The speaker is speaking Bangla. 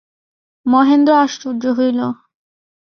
মহেন্দ্র আশ্চর্য হইল।